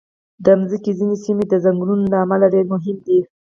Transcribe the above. د مځکې ځینې سیمې د ځنګلونو له امله ډېر مهم دي.